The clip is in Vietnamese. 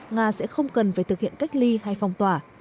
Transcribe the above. nga sẽ không cần phải thực hiện cách ly hay phong tỏa